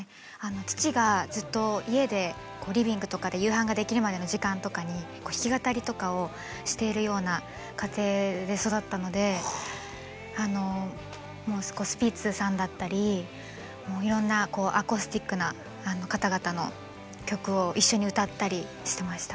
父がずっと家でリビングとかで夕飯ができるまでの時間とかに弾き語りとかをしているような家庭で育ったのでスピッツさんだったりもういろんなアコースティックな方々の曲を一緒に歌ったりしてました。